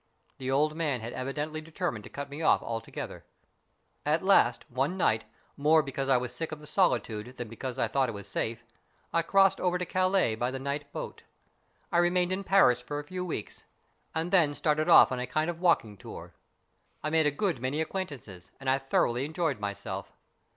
The old man had evidently determined to cut me off altogether. At last, one night, more because I was sick of the solitude than because I thought it was safe, I crossed over to Calais by the night boat. I remained in Paris for a few weeks, and then started off on a kind ^ STORIES IN GREY of walking tour. I made a good many acquaintances and I thoroughly enjoyed myself.